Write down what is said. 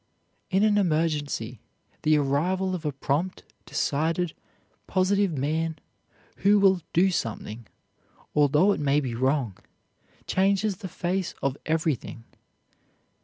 In an emergency, the arrival of a prompt, decided, positive man, who will do something, although it may be wrong, changes the face of everything.